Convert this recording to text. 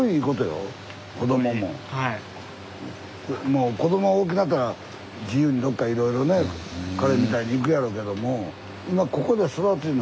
もう子どもが大きなったら自由にどっかいろいろね彼みたいに行くやろけども今ここで育ついうのはすごい大事なことやで。